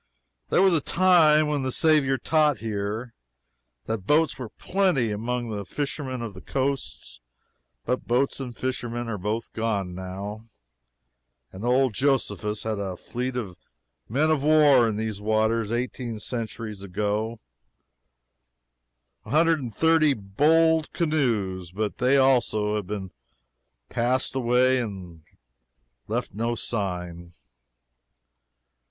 There was a time, when the Saviour taught here, that boats were plenty among the fishermen of the coasts but boats and fishermen both are gone, now; and old Josephus had a fleet of men of war in these waters eighteen centuries ago a hundred and thirty bold canoes but they, also, have passed away and left no sign.